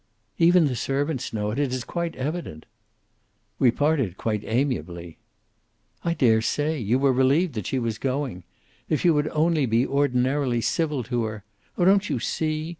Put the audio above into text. "Even the servants know it. It is quite evident." "We parted quite amiably." "I dare say! You were relieved that she was going. If you would only be ordinarily civil to her oh, don't you see?